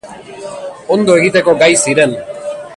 Ondo egiteko gai ziren.